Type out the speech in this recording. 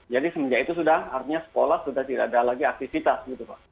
jadi semenjak itu sudah artinya sekolah sudah tidak ada lagi aktivitas gitu pak